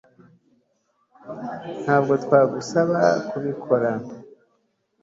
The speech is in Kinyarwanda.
ntabwo twagusaba kubikora